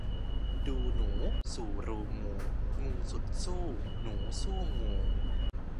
ดูหนูสู่รูงู งูสุดสู้หนูสู้งู